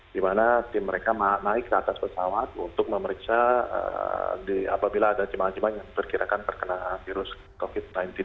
di mana tim mereka naik ke atas pesawat untuk memeriksa apabila ada jemaah jemaah yang diperkirakan terkena virus covid sembilan belas